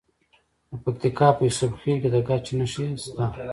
د پکتیکا په یوسف خیل کې د ګچ نښې شته.